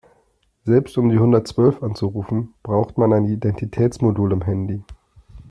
Selbst um die hundertzwölf anzurufen, braucht man ein Identitätsmodul im Handy.